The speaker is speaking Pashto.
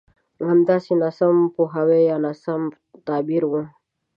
همداسې ناسم پوهاوی يا ناسم تعبير وي.